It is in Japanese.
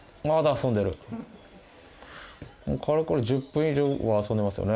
かれこれ１０分以上は遊んでますよね。